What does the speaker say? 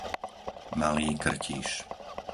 Malý Krtíš